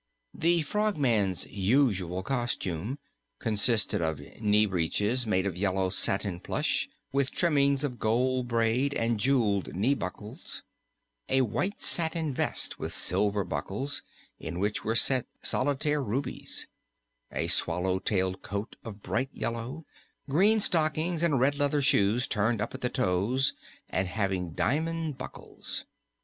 The Frogman's usual costume consisted of knee breeches made of yellow satin plush, with trimmings of gold braid and jeweled knee buckles; a white satin vest with silver buttons in which were set solitaire rubies; a swallow tailed coat of bright yellow; green stockings and red leather shoes turned up at the toes and having diamond buckles.